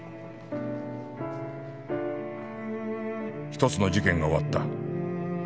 一つの事件が終わった